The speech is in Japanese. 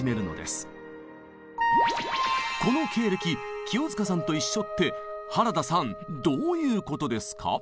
この経歴清塚さんと一緒って原田さんどういうことですか？